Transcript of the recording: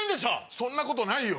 そんなことないよ